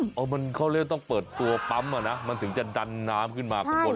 เขาเรียกว่าต้องเปิดตัวปั๊มมันถึงจะดันน้ำขึ้นมาข้างบน